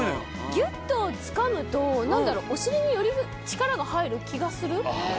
ギュっとつかむとお尻により力が入る気がする。